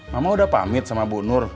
mama udah pamit sama bu nur